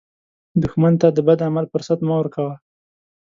دښمن ته د بد عمل فرصت مه ورکوه